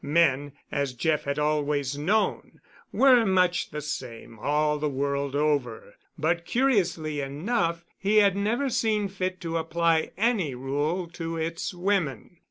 Men, as Jeff had always known, were much the same all the world over, but, curiously enough, he had never seen fit to apply any rule to its women.